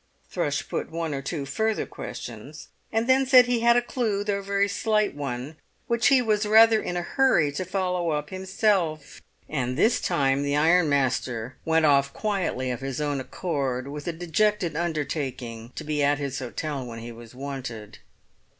Thrush put one or two further questions, and then said he had a clue, though a very slight one, which he was rather in a hurry to follow up himself; and this time the ironmaster went off quietly of his own accord, with a dejected undertaking to be at his hotel when he was wanted.